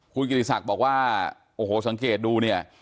คุณกิติศักดิ์บอกว่าโอ้โหสังเกตดูเนี่ย